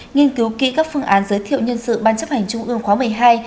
nghiên cứu kỹ các phương án giới thiệu nhân sự ban chấp hành trung ương khóa một mươi hai